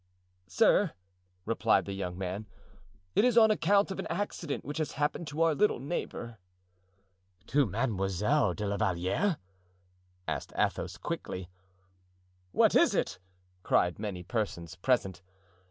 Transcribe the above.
"Sir," replied the young man, "it is on account of an accident which has happened to our little neighbor." "To Mademoiselle de la Valliere?" asked Athos, quickly. "What is it?" cried many persons present.